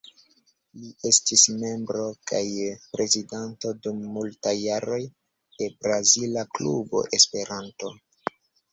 Li estis membro kaj prezidanto, dum multaj jaroj, de Brazila Klubo Esperanto.